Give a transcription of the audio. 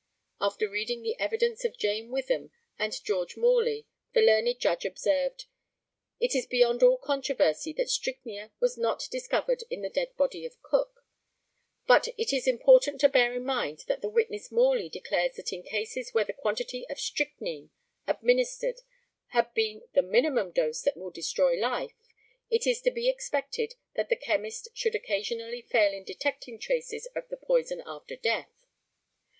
After reading the evidence of Jane Witham and George Morley, the learned judge observed, ] It is beyond all controversy that strychnia was not discovered in the dead body of Cook, but it is important to bear in mind that the witness Morley declares that in cases where the quantity of strychnine administered had been the minimum dose that will destroy life, it is to be expected that the chemist should occasionally fail in detecting traces of the poison after death.